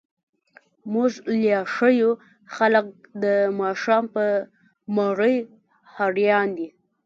موږ ليا ښه يو، خلګ د ماښام په مړۍ هريان دي.